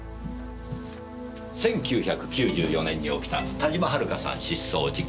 １９９４年に起きた田島遥さん失踪事件。